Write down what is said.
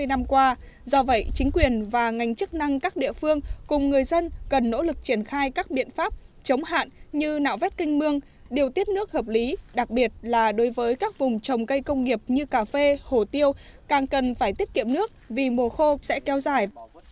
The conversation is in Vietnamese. hai mươi năm qua do vậy chính quyền và ngành chức năng các địa phương cùng người dân cần nỗ lực triển khai các biện pháp chống hạn như nạo vét kinh mương điều tiết nước hợp lý đặc biệt là đối với các vùng trồng cây công nghiệp như cà phê hồ tiêu càng cần phải tiết kiệm nước vì mùa khô sẽ kéo dài